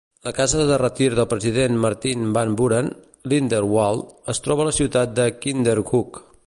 La casa de retir del president Martin Van Buren, Lindenwald, es troba a la ciutat de Kinderhook.